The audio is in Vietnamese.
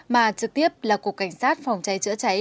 mà trực tiếp là cục cảnh sát phòng cháy chữa cháy